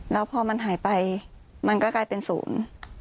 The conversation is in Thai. แล้วพอมันหายไปมันก็กลายเป็นศูนย์